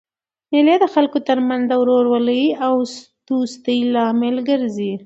مېلې د خلکو ترمنځ د ورورولۍ او دوستۍ لامل ګرځي.